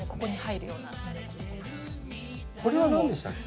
これは何でしたっけ？